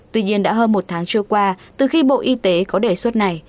tuy nhiên đã hơn một tháng trôi qua từ khi bộ y tế có đề xuất này